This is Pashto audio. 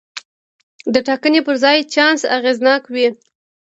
د ټاکنې پر ځای چانس اغېزناک وي.